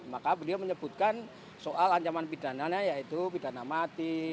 maka beliau menyebutkan soal ancaman pidananya yaitu pidana mati